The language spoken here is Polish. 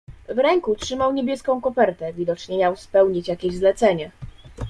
"W ręku trzymał niebieską kopertę, widocznie miał spełnić jakieś zlecenie."